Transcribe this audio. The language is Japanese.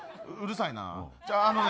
うるさいな。